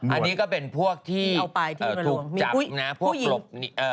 อันนี้ก็เป็นพวกที่ถูกจับนะฮะ